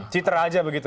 citra aja begitu